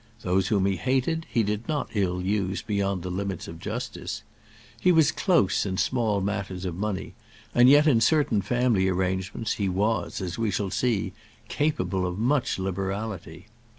Those whom he hated he did not ill use beyond the limits of justice. He was close in small matters of money, and yet in certain family arrangements he was, as we shall see, capable of much liberality.